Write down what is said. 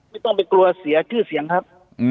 ไม่ต้องไปกลัวเสียชื่อเสียงครับ